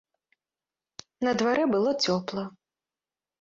На дварэ было цёпла.